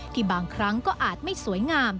บางครั้งก็อาจไม่สวยงาม